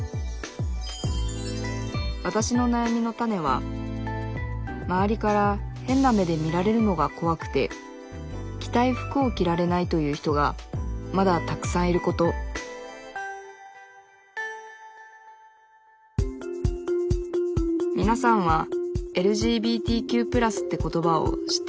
わたしのなやみのタネは周りから変な目で見られるのが怖くて着たい服を着られないという人がまだたくさんいることみなさんは「ＬＧＢＴＱ＋」って言葉を知っていますか？